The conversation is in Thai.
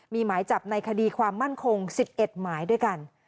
มีหมายจับในคดีความมั่นคง๑๑หมายด้วยกัน